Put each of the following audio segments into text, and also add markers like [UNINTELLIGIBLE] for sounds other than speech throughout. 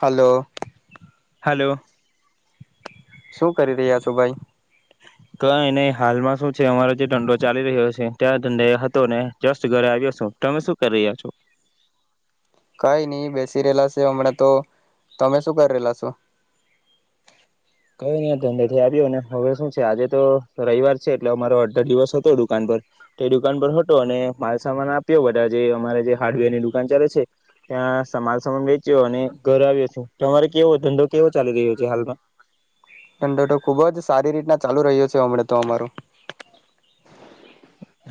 Hello. Hello. શું કરી રહ્યા છો ભાઈ? કઈ નહી હાલમાં શું છે અમારો જે દંડો ચાલી રહ્યો છે ત્યાંંડે હતો ને જસ્ટ ઘરે આવ્યો છું. તમે શું કરી રહ્યા છો? કઈ ની બેસી રહેલા છે હમણાં તો. તમે શું કરી રેલા છો? કય ની આ ધંધેથી આવ્યો હવે શું છે આજે તો રવિવાર છે એટલે અમારો અડધો દિવસ હતો દુકાન પર તે દુકાન પર હતો અને માલસામાન આપ્યો બધા જે અમારે જે હાર્ડવેર ની દુકાન ચાલે છે ત્યાં માલસામાન વેચ્યો અને ઘર આવ્યો છું તમારે કેવો ધંધો કેવો ચાલી રહ્યો છે હાલમાં. ઠંડો ખુબ જ સારી રીતના ચાલુ રહ્યો છે હમણાં તો અમારું.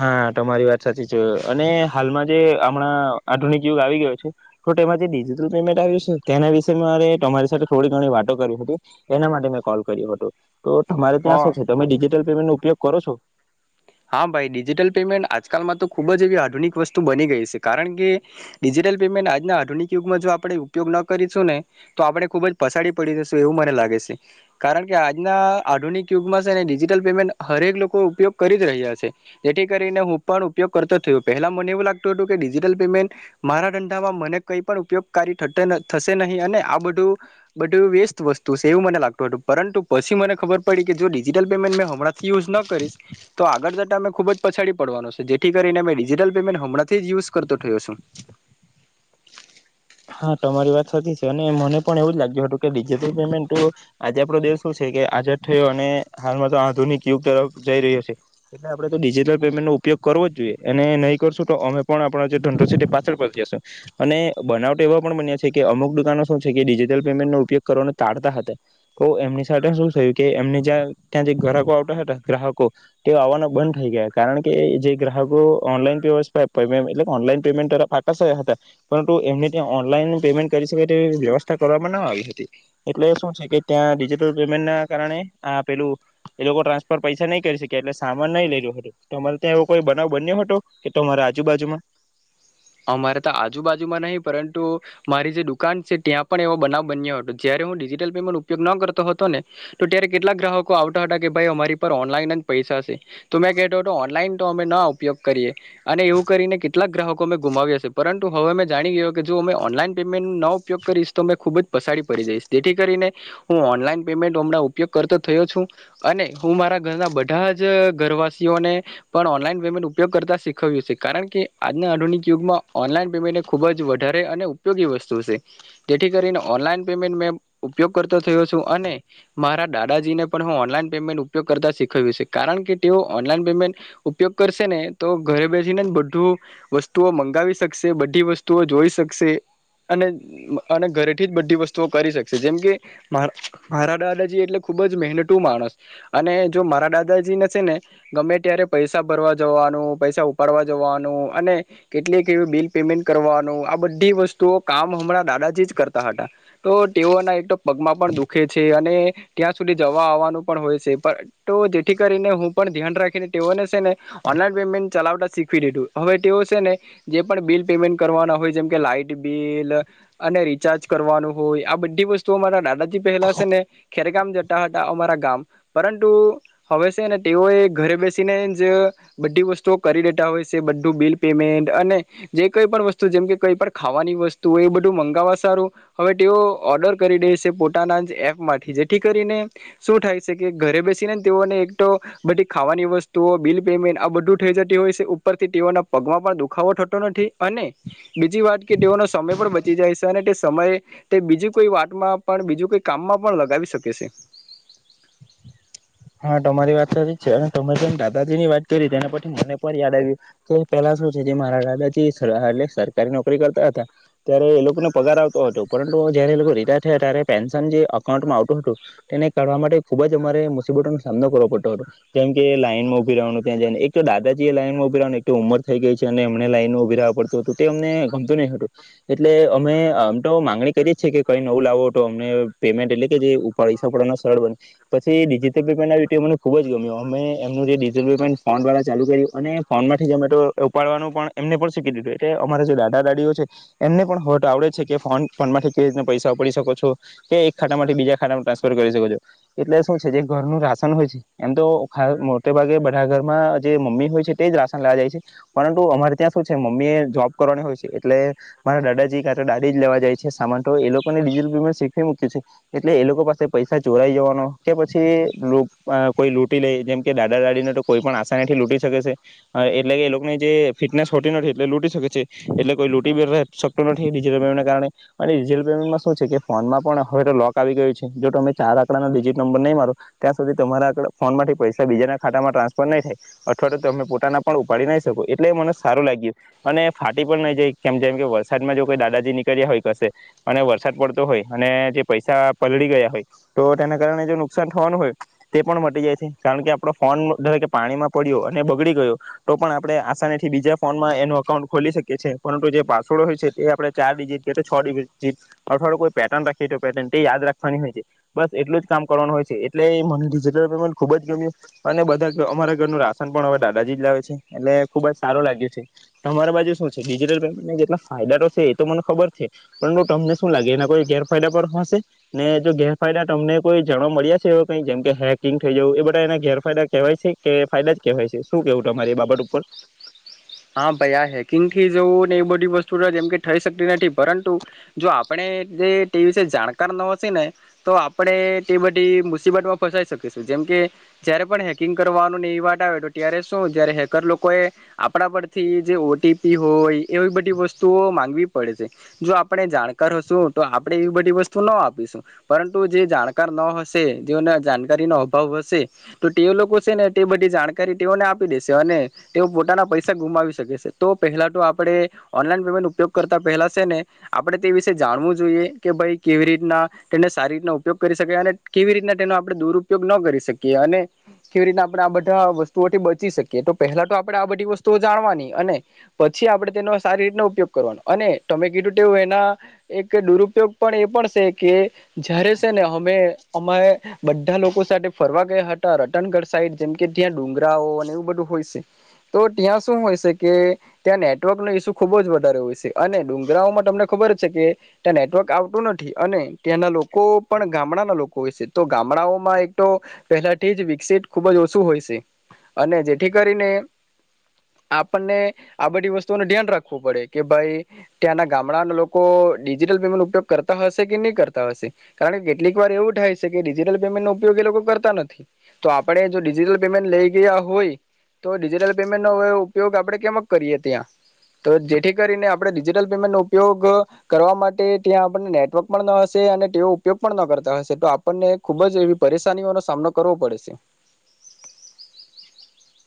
હા તમારી વાત સાચી છે અને હાલમાં જે હમણાં આધુનિક યુગ આવી ગયો છે તો તેમાં જે ડિજિટલ પેમેન્ટ આવ્યું છે તેના વિશે મારે તમારી સાથે થોડી ઘણી વાતો કરી હતી એના માટે મેં કોલ કર્યો હતો. તો તમારે ત્યાં હા શું છે તમે ડીજી પેમેન્ટ નો ઉપયોગ કરો છો? હા ભાઈ ડિજિટલ પેમેન્ટ આજકાલમાં તો ખૂબ જ એવી આધુનિક વસ્તુ બની ગઈ છે કારણ કે ડિજિટલ પેમેન્ટ આજના આધુનિક યુગમાં જો આપણે ઉપયોગ ન કરીશું ને તો આપણે ખૂબ જ પસાડી પડી જશું એવું મને લાગે છે કારણ કે આજના આધુનિક યુગમાં છે ને ડિજિટલ પેમેન્ટ હરેક લોકો ઉપયોગ કરી જ રહ્યા છે. જેથી કરીને હું પણ ઉપયોગ કરતો થયો પહેલા મને એવું લાગતું હતું કે ડિજિટલ પેમેન્ટ મારા ધંધામાં મને કંઈ પણ ઉપયોગકારી થશે નહીં અને આ બધું બધું વેસ્ત વસ્તુ છે એવું મને લાગતું હતું પરંતુ પછી મને ખબર પડી કે જો ડિજિટલ પેમેન્ટ મે હમણાંથી યુઝ ન કરીશ તો આગળ જતા અમે ખુબ જ પછાડી પડવાનો છે. જેથી કરીને અ ડિજિટલ પેમેન્ટ હમણાંથી જ યુઝ કરતો થયો છું. હા તમારી વાત સાચી છે. અને મને પણ એવું જ લાગ્યું હતું કે ડિજિટલ પેમેન્ટ આજે આપડો દેેશ શું છે કે આાઝાદ થયો અને હાલમાં તો આધુનિક યુગ તરફ જઈ રહ્યો છે એટલે આપડે તો ડિજિટલ પેમેન્ટ નો ઉપયોગ કરવો જ જોઈએ અને નહી કરશું તો અમે પણ આપણ જે ઢંડો છે પાછળ પળી જસે. અને બનાવટ તેવા પણ બન્યા છે કે અમુક દુકાનો શું છે ડીજીટલ પેમેન્ટ નો ઉપયોગ કરવાને તાળતા હતા તો એમની સાથે શું થયું કે એમને જ્યાં ત્યાં ગ્રાહકો આવતા હતા ગ્રાહકો તે આવવાના બંધ થઈ ગયા કારણ કે જે ગ્રાહકો ઓનલાન [UNINTELLIGIBLE] ઓનલાન પેમેન્ટ તરફ આકાસયા હતા પરંતુ એમ ઓનલાઈન પેમેન્ટ કરી જેવી તેવી વેવસ્તા કરવામાં ન આવી હતી. એટલે શું છે કે ત્યાં ડિજિટલ પેમેન્ટ ના કારણે આ પેલું એ લોકો ટ્રાન્સફર પૈસા નહી કરી શક્યા એટલે સામાન નહી લેય હતુ તમાત્ય એવો કોઈ બનાવ બન્યો હતો કે તમારા આજુબાજુમાં અમારે તો આજુબાજુમાં નહીં પરંતુ મારી જે દુકાન છે ત્યાં પણ એવો બનાવ બન્યો હતો જયારે હું ડિજિટલ પેમેન્ટ ઉપયોગ ન કરતો હતો ને તો ત્યારે કેટલાક ગ્રાહકો આવતા હતા કે ભાઈ અમારી પર ઓનલાઈન જ પૈસા છે તો મેં કહેતો હતો ઓનલાઈન તો અમે ન ઉપયોગ કરીએ અને એવું કરીને કેટલાક ગ્રાહક કો અમે ગુમાવ્યા પરંતુ હવે મેં જાણી ગ કે જો અમે ઓનલાઈન પેમેન્ટ ન ઉપયોગ કરીશ તો અ ખૂબ જ પસાડી પડી જઈશ તેથી કરીને હું ઓનલાઈન પેમેન્ટ હમના ઉપયોગ કરતો થયો છું અને હું મારા ઘરના બધા જ ઘરવાસીઓને પણ ઓનલાઈન પેમેન્ટ ઉપયોગ કરતા શીખવ્યું છે. કારણ કે આના આધુનિક યુગમાં ઓનલાઈન પેમેન્ટ એ ખૂબ જ વધારે અને ઉપયોગી વસ્તુ શે જેથી કરીને ઓનલાઈન પેમેન્ટ મે ઉપયોગ કરતો થયો છું અને મારા દાદાજીને પણ હું ઓનલાઈન પેમેન્ટ ઉપયોગ કરતા શીખવ્યું છે કારણ કે તેઓ ઓનલાઈન પેમેન્ટ ઉપયોગ કરશે ને તો ઘરે બેસીને બધું. વસ્તુઓ મંગાવી શકશે બધી વસ્તુઓ જોઈ શકશે અને અને ઘરેથી જ બધી વસ્તુઓ કરી શકશે જેમ કે મા મારા દાદાજી એટલે ખૂબ જ મહેનતું માણસ અને જો મારા દાદાજીને છે ને ગમે ત્યારે પૈસા ભરવા જવાનું પૈસા ઉપાડવા જવાનું અને. કેટલી એવી બિલ પેમેન્ટ કરવાનું આ બધી વસ્તુઓ કામ હમણાં દાદાજી જ કરતા હતા તો તેઓના એક તો પગમાં પણ દુખે છે અને ત્યાં સુધી જવા આવવાનું પણ હોય છે તો જેથી કરીને હું પણ ધ્યાન રાખીને તેઓને છે ને ઓનલાઈન પેમેન્ટ ચલાવતા શીખવી દીધું હવે. ને જે બિલ પેમેન્ટ કરવાના હોય જેમકે લાઈટ બિલ અને રિચાર્જ કરવાનું હોય આ બધી વસ્તુ અમારા દાદાજી પહેલા છે ને ખેરગામ જતા હતા અમારા ગામ પરંતુ હવે છે ને તેઓ એ ઘરે બેસીને જ બધી વસ્તુઓ કરી દેતા હોય છે બધું બિલ. પેમેન્ટ અને જે કઈ પણ વસ્તુ જેમ કે કંઈ પણ ખાવાની વસ્તુ એ બધું મંગાવવા સારું હવે તેઓ ઓર્ડર કરી દેશે પોતાના જ એપમાંથી જેથી કરીને શું થાય છે કે ઘરે બેસીનેને તેઓને એક તો બધી ખાવાની વસ્તુઓ બિલ પેમેન્ટ આ બધું થઈ જતી હોય છે ઉપરથી તેઓના. પગમાં પણ દુખાવો થતો નથી અને બીજી વાત કે તેઓનો સમય પણ બચી જાય છે અને તે સમય તે બીજી કોઈ વાતમાં પણ બીજું કોઈ કામમાં પણ લગાવી શકે છે. હા તમારી વાત સ જ છે અને તમે જેમ દાદાજી ની વાત કરી તેના પછી મને પણ યાદ આવ્યું કે પેલા શું છે જે મારા દાદાજી એટ સરકારી નોકરી કરતા હતા ત્યારે એ લોકોને પગાર આવતો હતો પરંતુ જયારે એ લોકો રિટાયર થયા ત્યારે પેન્શન જે અઉન્ટમાં આવતું હતું તેને કા માટે ખુબ જ અમારે. સામ પડતો હતો જેમ કે લાઈન માં ઉભી રાવાનો ત્યાં જઈને એક તો દાદાજી એ લાઈનમાં ઉભીવા એક ઉંમર થઈ ગઈ છે અને એમને લાઈનમાં ઉભી રહેવા પડતું હતું તે અમને ગમતું નહ હતું એટલે અમે અમ તો માંગણી કરીએી કે કઈ નવું લાવો તો અમને પેમેન્ટ એટલે કે જે પૈસા પડવાના સરળ બને પછી. પમેન્ટ મને ખુબ જ ગમ્યો અમે એમનું જે ડિજિટલ પેમેન્ટ ફોન દ્વારા ચાલુ કર્યું અને ફોનમાંથી ઝોમેટો ઉપાડવાનું પણ એમને પણ શીખી દીધું એટલે અમારા જે દાદા દાદીઓ છે એમને પણ હોટ આવડે છે કે ફ ફોનમાંથી કેવી રીતના પૈસા ઉપાડી શકો છો કે એક ખાતા માંથી બીજા ખાતામાં ટ્રાન્સફર કરી શકો છો એટલે શું છે જે. ઘરનું રાશન હોય છે એમ તો મોટે ભાગે બધા ઘરમાં જે મમ્મી હોય છે તેજ રાશન લેવા જાય છે પરંતુ અમારે ત્યાં શું છે મમ્મી એ જોબ કરવાની હોય છે એટલે મારા દાદાજી કા દાડી જ લેવા જાય છે સામાન તો એ લોકોને ડિટલ પેમેન્ટ શીખવી મૂક્યું છે એટલે એ લોકો પાસે પૈસા ચોરાઈ જવાનો કે પછ. કોઈ લૂટી લઈ જેમ કે દાદા દાદીને તો કોઈ પણ આશનીથી લૂટી શકે છે એટલે કે એ લોકોની જે ફિટનેસ હોતી નથી એટલે લૂટી શકે છે એટલે કોઈ લૂટી શકતું નથી ડિજિટલ પેમેન્ટને કારણે અને ડિજિટલ પેમેન્ટમાં શું છે કે ફોનમાં પણ હવે તો લોક આવી ગયું છે જો અમે ચાર આંકડાિજિટ નંબર નહીં માર. ત્યાં સુ તમારા ફોન થી પૈસા બીજાના ખાતામાં ટ્રાન્સફર નહી થાય અથવા તો તમે પોતાના પણ ઉપાડી નહી શકો એટલે મને સારું લાગ્યું અને ફાટી પણ નહી જાય કેમ જેમ કે વરસાદમાં જો કોઈ દાદાજી નીકળ્યા હોય કશે અને વરસાદ પડતો હોય અને જે પૈસા પલળી ગયા હોય તો તેના કારણે જો. થવાનું હોય તે પણ મટી જાય છે કારણ કે આપડો ફોનરે પાણીમાં પડ્યો અને બગડી ગયો તો પણ આપડણે આસાનીથી બીજા ફોનમાં એનું અકાઉન્ટ ખોલી શકીએ છીએ પરંતુ જે પાસવર્ડ હોય છે તે આપણે ચાર ડિજિટ કે છ ડિજટ અઠવાડું કો પેર્ન રાખીએ તો પેટન તે યાદ રાખવાની હોય છે બસ એટલું જ કામ. હોય છે એટલે મને ડિજટલ પેમેન્ટ ખુબ જ ગમ્યું અને બધા અમારા ઘરનું રાશન પણ હવે દાદાજી જ લાવે છે એટલે ખુબ જ સારું લાગ્યું છે તમારા બાજુ શું છે ડિજિટલ પેમેન્ટ જેટલા ફાયદા તો છે એ તો મને ખબર છે પરંતુ તમને શું લાગે એના કોઈ ગેરફાયદા પણ હશે ને જો ગેરફાયદા તમને. કોઈ જાણવા મળ્યા છે એ કઈ જેમ કે હેકિંગ થઈ જવું એ બધા એને ગેરફાયદા કેહેવાય છે કે ફાયદા જ કેહેવાય છે શું કેવું તમારે એ બાબત ઉપર. હા ભાઈ આ હેકિંગ થી જવું ને એ બધી વસ્તુ જેમ કે થઈ શકતી નથી પરંતુ જો આપણે જે તે વિશે જાણકાર ન હશે ને તો આપણે તે બધી મુસીબત માં ફસાઈ શકીશું જેમકે જયારે પણ હેકિંગ કરવાનું એવી વાત આવે તો ત્યારે શું જયારે હેકર લોકો એ. થી જે ઓટીપી હોય એવી બધી વસ્તુઓ માંગવી પડે છે જો આપણે જાણકાર હશું તો આપણે એવી બધી વસ્તુ ન આપીશું પરંતુ જે જાણકાર ન હશે જેઓને જાણકારીનો અભાવ હશે તો તે લોકો છે ને તે બધી જાણકારી તેઓને આપી દેશે અને તેઓ પોતાના પૈસા. ગુમાવીકે તો પહેલા તો આપણે ઓનલાઈન પેમેન્ટ ઉપયોગ કરતા પહેલા છે ને આપણે તે વિશેે જાણવું જોઈએ કે ભાઈ કેવી રીતના તેને સારી રીતના ઉપયોગ કરી શકીએ અને કેવી રીતના તેનો આપણે દુરપયોગ ન કરી શકીએ અને કેવી રીતના આપણેે આ બધા વસ્તુઓથી બચી શકીએ તો પહેલા તો આપણે આ બધી વતુ. તો જાણવાની અને પછી આપણે તેનો સારી રીતનો ઉપયોગ કરવાનો અને તમે કીધું તેવું એના એક દુરુપયોગ પણ એ પણ છે કે જારે છે ને અમે અમા બધા લોકો સાથે ફરવા ગયા હતા રટનગઢ સાઈડ જેમ કે ત્યાં ડુંગરાઓ અને એવું બધું હોય છે તો. ત્યાં શું હોય છે કે ત્યાં નેટવર્ક ન ઇસ્યુ ખૂબ જ વધારે હોય છે અને ડુંગરાઓમાં તમને ખબર છે કે ત્યાં નેટવર્ક આવતું નથી અને ત્યાંના લોકો પણ ગામડાના લોકો હોય છે તો ગામડાઓમાં એક તો પહેલાથી જ વિકસિત ખૂબ જ ઓછું હોય છે અને જેથી કરીને. આપણને આ બધી વસ્તુનું ધ્યાન રાખવું પડે કે ભાઈ ત્યાંના ગામડાના લોકો ડિજિટલ પેમેન્ટ ન ઉપયોગ કરતા હશે કે નહી કરતા હશે કારણ કે કેટલીક વાર એવું થાય છે કે ડિજિટલ પેમેન્ટ નો ઉપયોગ એ લોકો કરતા નથી તો આપણે જો ડિજિટલ પેમેન્ટ લઈ ગયા હોય તો ડિજિટલ પેમેન્ટ. નો ઉપયોગ આપણે કેમ કરીએ ત્યાં તો જેથી કરીને આપણે ડિજટલ પેમેન્ટ નો ઉપયોગ કરવા માટે ત્યાં આપને નેટવર્ક પણ ના હશે અને તેઓ ઉપયોગ પણ ન કરતા હશે તો આપણને ખુબ જ એવી પરેશાનીઓનો સામનો કરવો પડશે. [INAUDIBLE]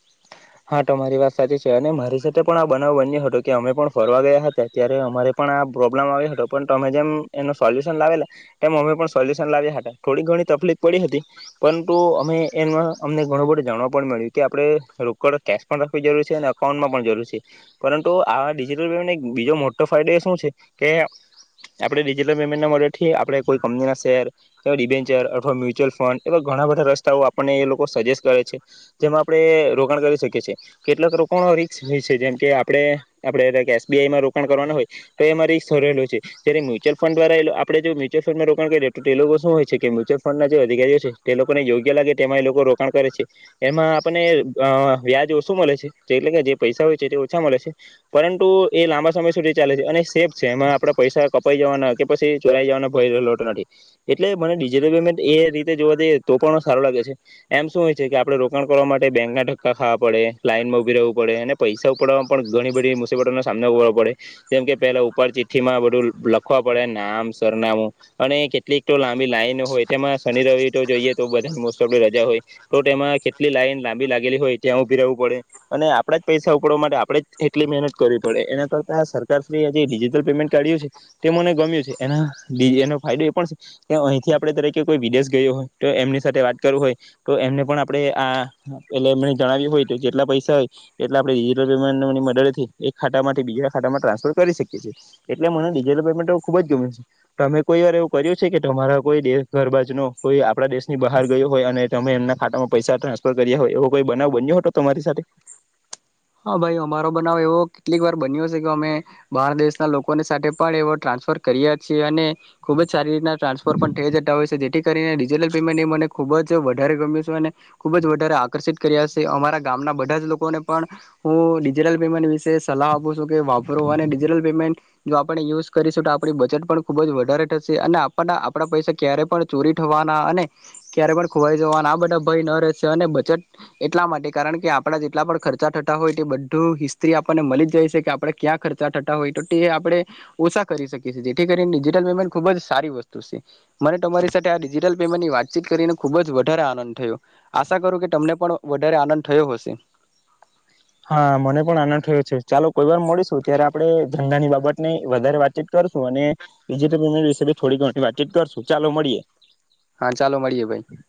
હા તમારી વાત સાચી છે અને મારી સાથે પણ આ બનાવ બન્યો હતો કે અમે પણ ફરવા ગયા હતા ત્યારે અમારે પણ આ પ્રોબ્લેમ આવ્યો હતો પણ અમે જેમ એનો સોલ્યુશન લાવેલા એ અમે પણ સોલ્યુશન લાવ્યા હતા થોડી ઘણી તકલીફ પડી હતી પરંતુ અમે એમાં અમને ઘણું બધું જાણવા પણ મળ્યું કે આપણે. કેશ પણ રાખવી જરૂર છે અને અકાઉન્ટમાં પણ જરૂર છે પરંતુ આ ડિજિટલ પેમેન્ટ એક બીજો મોટો ફાયદો એ શું છે કે આપણે ડિજિટલ પેમેન્ટના મદથી આપણે કોઈ કંપનીના શેર ડડીવેન્ચર અથવા મ્યુચ્યુઅલ ફંડ એવા ઘણા બધા રસ્તાઓ આપણને એ લોકો સજેસ્ટ કરે છે જેમાં આપણે. કેટલાક રોકાણ રીસ હોય છે જેમ કે આપણેે આપણે એસબીઆઈમાં રોકાણ કરવાના હોય તો એમાં રીસરેલલો છે જ્યારે મ્યુચ્યુઅલ ફંડ દ્વારા આપણેે મ્યુચ્યુઅલ ફંડમાં રોણ કરીએ તો તે લોકો શું હોય છે કે મ્યુચ્યુઅલ ફંડ ના જે અધિકારીઓ છે તે લોકોને યોગ્ય લાગે તેમાં એ લોકો રોકાણ કરે છે એમાં આપણે અ વ્યાજ ઓછું મળે છે એટલે કે જે પૈસા હોય છે તે ઓછા મળે છે પરંતુ એ લાંબા સમય સુધી ચાલે છે અને સેફ છે એમાં આપણે પૈસા કપાઈ જવાના કે પછી ચોરાઈ જવાના ભયલો નથી એટલે મને ડિજિટલ પેમેન્ટ એ રીતે જોવા જઈએ તો પણ સારું લાગે છે એમ શું હોય છે કે આપણે રોકાણ કરવા માટે બેંકના ધક્કા ખાવા પડે લાઈનમાં ઉભી રવું પડે અને પૈસા ઉપાડવા પણ ઘણી બધી મુસીબતોનોો સામનો કરવો પડે જેમ કે પેલા ઉપર ચિઠ્ઠી માં બધું લખવા પડે નામ સરનામું અને કેટલીક તો લાંબી લાઈન હોય તેમાં શનિ રવિ તો જોઈએ તો બધા મો રજા હોય તો તેમાં કેટલી લાઈન લાંબી લાગ હોય ત્યાં ઉભી રહેવું પડે અને આપણા જ પૈસા ઉપડવા માટે આપણે જ એટલી મહેનત કરવી પડે એના કરતા સરકાર શ્રી આ જે ડિજિટલ પેમેન્ટ કાઢ્યું છે તે મને ગમ્યું છે એ એનો ફાયદો એ પણ છે કે અહીંથી આપણે દરેકે કોઈ વિદેશ ગયો હોય તો એમની સાથે વાત કરું હોય તો એમને પણ આપણે આ એટલે મને જણાવ્યું હોય તો જેટલા પૈસા હોય એટલા આપણે ડિજિટલ પેમેન્ટ મની મદથી એક ખાતામાંથી બીજા ખાતામાં ટ્રાન્સફર કરી શકીએ છીએ એટલે મને ડિજિટલ પેમેન્ટ ખૂબ જ ગમે છે તમે કોઈ વાર એવું કર્યું છે કે તમારા કોઈ દેશ ઘરબાજનો કોઈ આપણા દેશની બહાર ગયો હોય અને તમે એમના ખાતામાં પૈસા ટ્રાન્સફર કર્યા હોય એવો કોઈ બનાવ બન્યો હતો તમારી સાથે? હા ભાઈ અમારો બનાવ એવો કેટલીક વાર બન્યો છે કે અમે બહાર દેશના લોકોની સાથે પણ એવો ટ્રાન્સફર કરીયા છીએ અને ખુબ જ સારી રીતના ટ્રાન્સફોર પણ થઈ જતા હોય છે જેથી ડીજિટલ પેમેન્ટ એ મને ખુબ જ વધારે ગમ્યું છે અને ખુબ જ વધારે આકર્ષિત કર્યા છે અમારા ગામના બધા જ લોકોને પણ હું ડિજિટલ પેમેન્ટ વિશે સલાહ આપું છું કે વાપરું અને ડિજિટલ પેમેન્ટ જો આપણે યુઝ કરીશું તો આપણી બચટ પણ ખુબ જ વધારે થશે અને આપના આપણા પૈસા ક્યારે પણ ચોરી થવાના અને ક્યારે પણ ખોવાઈ જવાના આ બધા ભય ન રહેશે અને બચટ એટલા માટે કારણ કે આપણા જેટલા પણ ખર્ચા હોય તે બધું હિસ્ત્રી આપણને મળી જાય છે કે આપણે ક્યાં ખર્ચા થતા હોય તો તે આપણે ઓછા કરી શકીએ છીએ જેથી કરીને ડિજિટલ પેમેન્ટ ખુબ જ સારી વસ્તુ છે. મને તમારી સાથે આ ડિજિટલ ની વાતચીત કરીને ખુબ જ વધારે આનંદ થયો આશા કરું કે તમને પણ વધારે આનંદ થયો હશે. હા મને પણ આનંદ થયો છે ચાલો કોઈ વાર મળીશું ત્યારે આપણે ધંધાની બાબત ને વધારે વાતચીત કરશું અને ડિજટલ પેમેન્ટ વિશે થોડી ઘણી વાતચીત કરશું ચાલો મળીએ. હા ચાલો મળીએે ભાઈ.